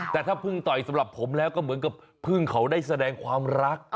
แต่ถ้าเพิ่งต่อยสำหรับผมแล้วก็เหมือนกับเพิ่งเขาได้แสดงความรัก